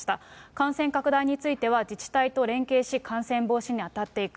感染拡大については、自治体と連携し、感染防止に当たっていく。